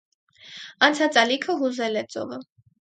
Անցած ալիքը հուզել է ծովը։